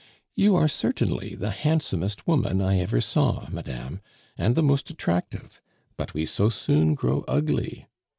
You are certainly the handsomest woman I ever saw, madame, and the most attractive, but we so soon grow ugly!